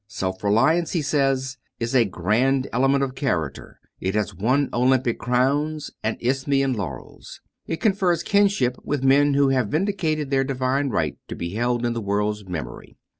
"Self reliance," he says, "is a grand element of character: it has won Olympic crowns and Isthmian laurels; it confers kinship with men who have vindicated their divine right to be held in the world's memory.